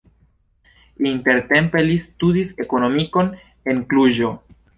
Intertempe li studis ekonomikon en Kluĵo.